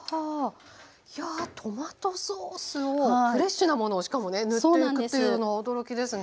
いやトマトソースをフレッシュなものをしかもね塗っていくというのは驚きですね。